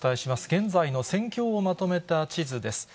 現在の戦況をまとめた地図です。